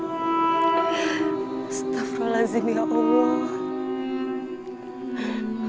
astaghfirullahaladzim ya allah